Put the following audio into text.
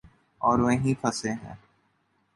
اور وہیں پھنسے ہیں۔